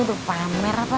udah pamer apa